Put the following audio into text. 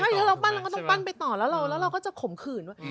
ถ้าเราปั้นเราก็ต้องปั้นไปต่อแล้วเราก็จะข่มขืนด้วย